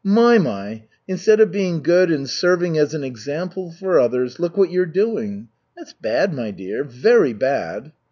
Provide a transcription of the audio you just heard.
My, my! Instead of being good and serving as an example for others, look what you're doing. That's bad, my dear, very bad."